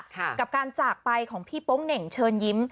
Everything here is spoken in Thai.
ค่ะกับการจากไปของพี่ป้องเน๋่งเชิญยิ้ม